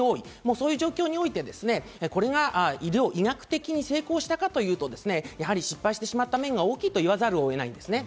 そういう状況において、医学的に成功したかというと失敗してしまった面が大きいと言わざるを得ないんですね。